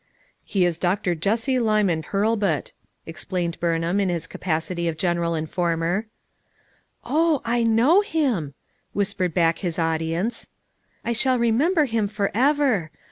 "He is Dr. Jesse Lyman Hurlbut," explained Burnham in his capacity of General Informer. "Oh, I knoiv him," whispered back his au dience, "I shall remember him forever.